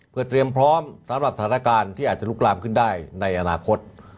เพื่อเตรียมพร้อมสำหรับสถานการณ์ที่อาจจะลุกลามขึ้นได้ในอนาคต